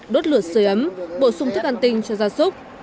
đốt lửa sời ấm bổ sung thức ăn tinh cho da súc